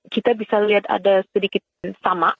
kita bisa lihat ada sedikit sama